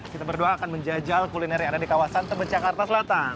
kita berdoa akan menjajal kuliner yang ada di kawasan tebet jakarta selatan